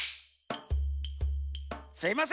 すいません！